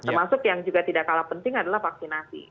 termasuk yang juga tidak kalah penting adalah vaksinasi